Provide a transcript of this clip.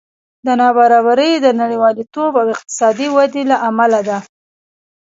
دا نابرابري د نړیوالتوب او اقتصادي ودې له امله ده